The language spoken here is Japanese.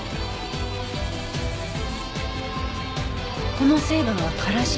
この成分はカラシだわ。